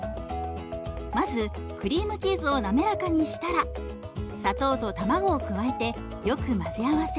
まずクリームチーズを滑らかにしたら砂糖と卵を加えてよく混ぜ合わせ